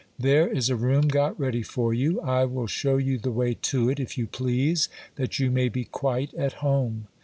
There is a room got ready for you ; I will shew you the way to it, if you please, that you may be quite at home.